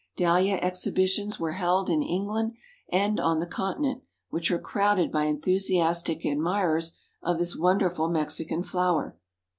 Dahlia exhibitions were held in England and on the continent, which were crowded by enthusiastic admirers of this wonderful Mexican flower.